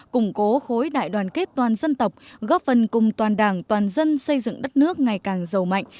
củng cố khối đại đoàn kết toàn dân tộc góp phần cùng toàn đảng toàn dân xây dựng đất nước ngày càng giàu mạnh